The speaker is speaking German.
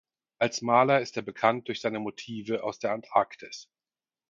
Als Maler ist er bekannt durch seine Motive aus der Antarktis.